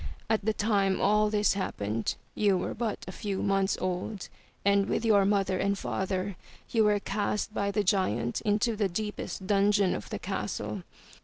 At the time all this happened, you were but a few months old, and, with your mother and father, you were cast by the giant into the deepest dungeon of the castle.